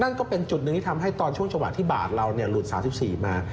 นั่นเป็นจุดนึงที่ทำให้ตอนเวลาที่บาทเราหลุด๓๔มา